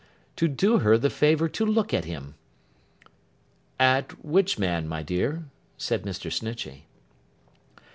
To do her the favour to look at him! 'At which man, my dear?' said Mr. Snitchey.